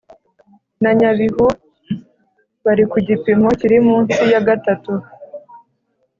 na Nyabihu bari ku gipimo kiri munsi ya gatatu